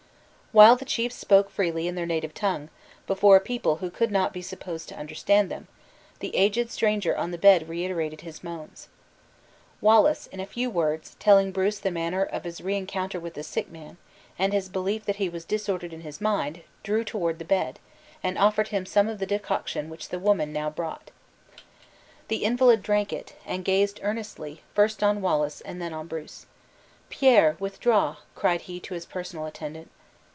While the chiefs spoke freely in their native tongue, before a people who could not be supposed to understand them, the aged stranger on the bed reiterated his moans. Wallace, in a few words, telling Bruce the manner of his reencounter with the sick man, and his belief that he was disordered in his mind, drew toward the bed, and offered him some of the decoction which the woman now brought. The invalid drank it, and gazed earnestly, first on Wallace and then on Bruce. "Pierre, withdraw," cried he to his personal attendant.